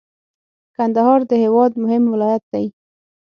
کندهار د هیواد مهم ولایت دی.